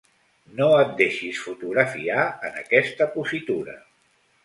No et deixis fotografiar en aquesta positura.